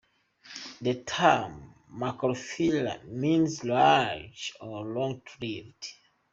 The term "macrophylla" means large- or long-leaved.